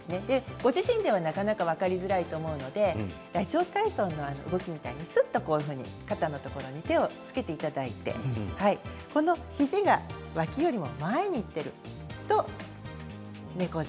ご自身ではなかなか分かりづらいと思うのでラジオ体操の動きみたいにすっと肩のところに手をつけていただいて肘が脇よりも前にいっていると猫背。